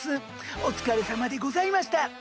お疲れさまでございました。